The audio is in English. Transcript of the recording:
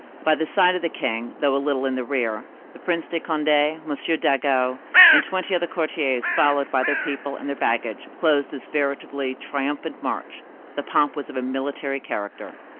By the side of the king, though a little in the rear, the Prince de Conde, M. Dangeau, and twenty other courtiers, followed by their people and their baggage, closed this veritably triumphant march. The pomp was of a military character.